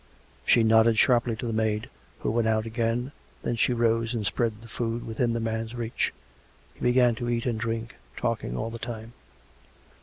She nodded sharply to the maid, who went out again; then she rose and spread the food within the man's reach. He began to eat and drink, talking all the time.